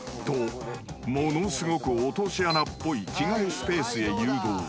［とものすごく落とし穴っぽい着替えスペースへ誘導］